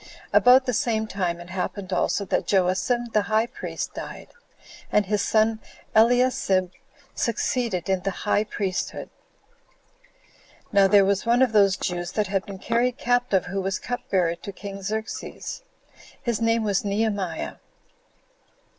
About the same time it happened also that Joacim, the high priest, died; and his son Eliasib succeeded in the high priesthood. 6. Now there was one of those Jews that had been carried captive who was cup bearer to king Xerxes; his name was Nehemiah.